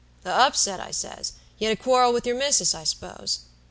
"'A upset,' I says. 'You had a quarrel with your missus, I suppose.'